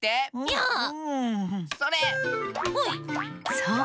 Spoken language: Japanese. そう。